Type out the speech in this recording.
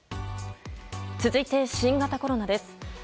続いて、新型コロナです。